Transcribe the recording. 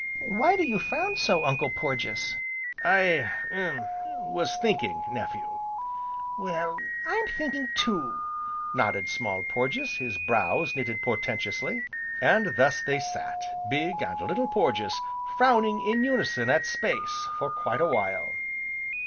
"Why do you frown so, Uncle Porges?" "I er was thinking, nephew." "Well, I'm thinking, too!" nodded Small Porges, his brows knitted portentously. And thus they sat, Big, and Little Porges, frowning in unison at space for quite a while.